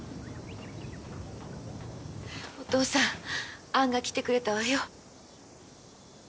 お父さん杏が来てくれたわよ。